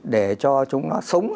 để cho chúng nó sống